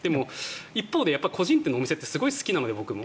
一方で個人店のお店ってすごい好きなので僕も。